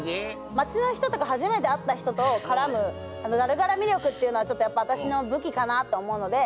街の人とか初めて会った人と絡むだる絡み力っていうのはやっぱ私の武器かなと思うので。